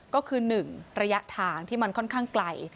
ก็คือ๑ระยะทางที่มันค่อนข้างไกล